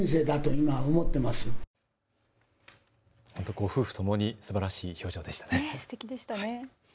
ご夫婦ともにすばらしい表情でしたね。